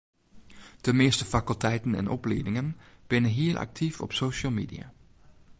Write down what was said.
De measte fakulteiten en opliedingen binne hiel aktyf op social media.